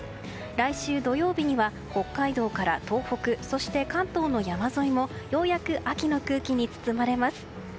来週土曜日には北海道から東北そして関東の山沿いもようやく秋の空気に包まれます。